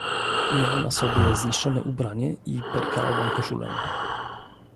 "Miał na sobie zniszczone ubranie i perkalową koszulę."